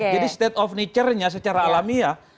state of nature nya secara alamiah